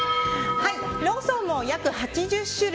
ローソンも約８０種類